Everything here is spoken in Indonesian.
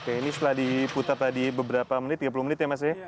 oke ini setelah diputar tadi beberapa menit tiga puluh menit ya mas ya